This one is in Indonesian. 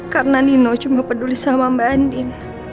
karena nino cuma peduli sama mbak andin